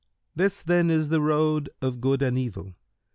This then is the road of Good and Evil.